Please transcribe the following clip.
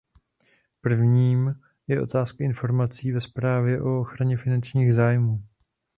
Prvním je otázka informací ve zprávě o ochraně finančních zájmů.